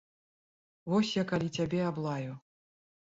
Вось я калі цябе аблаю.